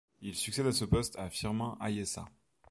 Il succède à ce poste à Firmin Ayessa.